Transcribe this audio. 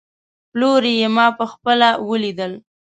پلوري يې، ما په خپله وليدل